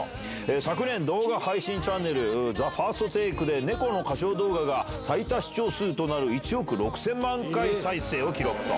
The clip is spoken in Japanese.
昨年、動画配信チャンネル、ＴＨＥＦＩＲＳＴＴＡＫＥで猫の歌唱動画が最多視聴数となる１億６０００万回再生を記録と。